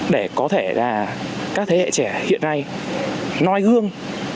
để có thể là các thế hệ trẻ hiện nay nói hương